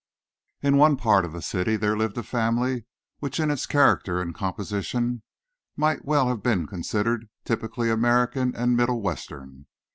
In one part of this city there lived a family which in its character and composition might well have been considered typically American and middle western.